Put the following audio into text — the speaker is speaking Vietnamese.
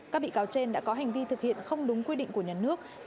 các bị cáo trên đã có hành vi thực hiện không đúng quy định của nhà nước